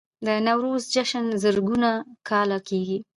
د نوروز جشن زرګونه کاله کیږي